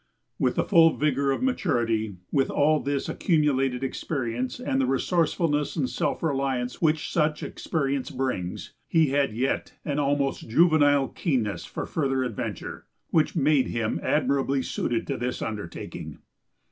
With the full vigor of maturity, with all this accumulated experience and the resourcefulness and self reliance which such experience brings, he had yet an almost juvenile keenness for further adventure which made him admirably suited to this undertaking.